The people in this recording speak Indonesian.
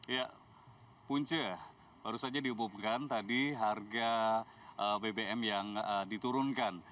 ya punca baru saja diumumkan tadi harga bbm yang diturunkan